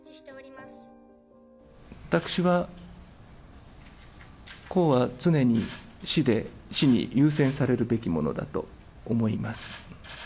私は、公は常に私に優先されるべきものだと思います。